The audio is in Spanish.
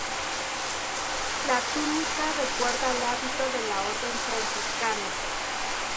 La túnica recuerda al hábito de la Orden Franciscana.